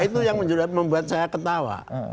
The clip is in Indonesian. itu yang membuat saya ketawa